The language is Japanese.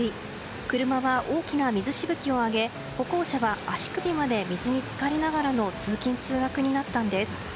車は大きな水しぶきを上げ歩行者は足首まで水に浸かりながらの通勤・通学になったんです。